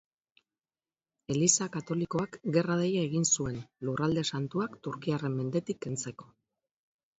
Eliza Katolikoak gerra-deia egin zuen, Lurralde Santuak turkiarren mendetik kentzeko.